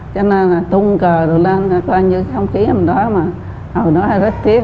cho nên là tung cờ rồi lên coi như sông ký lúc đó mà hồi đó rất tiếc